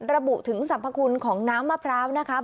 ระบุถึงสรรพคุณของน้ำมะพร้าวนะคะ